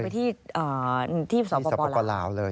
ไปที่สปลาวเลย